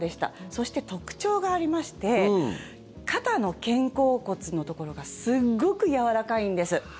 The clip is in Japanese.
そして、特徴がありまして肩の肩甲骨のところがすごくやわらかいんです。